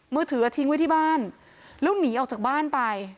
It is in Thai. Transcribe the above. มือถือทิ้งไว้ที่บ้านแล้วหนีออกจากบ้านไป